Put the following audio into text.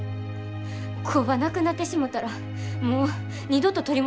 工場なくなってしもたらもう二度と取り戻されへんねんで。